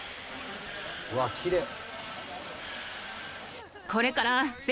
うわきれい。